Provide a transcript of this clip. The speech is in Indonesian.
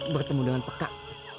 bertemu dengan pekak